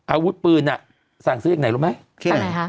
อาวุธปืนอ่ะสั่งซื้อจากไหนรู้ไหมเคสไหนคะ